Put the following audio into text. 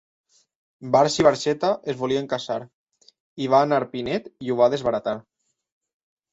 Barx i Barxeta es volien casar, hi va anar Pinet i ho va desbaratar.